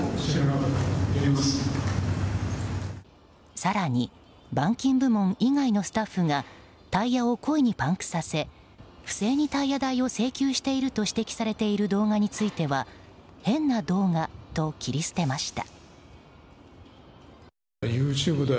更に板金部門以外のスタッフがタイヤを故意にパンクさせ不正にタイヤ代を請求していると指摘されている動画については変な動画と切り捨てました。